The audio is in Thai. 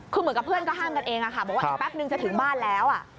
คือเหมือนกับเพื่อนก็ห้ามกันเองบอกว่าอีกแป๊บนึงจะถึงบ้านแล้ว